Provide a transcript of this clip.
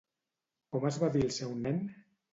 Com es va dir el seu nen?